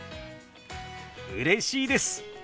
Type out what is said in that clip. うれしいです！